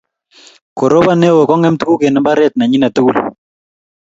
korobon neo kongem tuguk eng mbaret nenyinet tugul